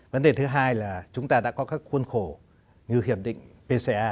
vấn đề thứ hai là chúng ta đã có các khuôn khổ như hiệp định pca